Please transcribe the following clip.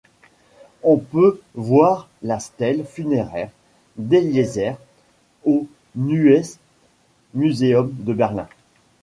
On peut voir la stèle funéraire d'Éliézer au Neues Museum de Berlin.